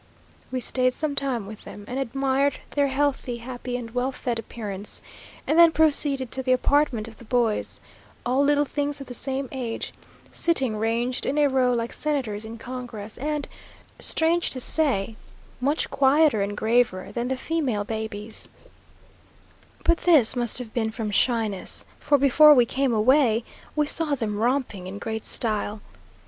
We staid some time with them, and admired their healthy, happy, and well fed appearance; and then proceeded to the apartment of the boys; all little things of the same age, sitting ranged in a row like senators in congress, and, strange to say, much quieter and graver than the female babies; but this must have been from shyness, for before we came away, we saw them romping in great style.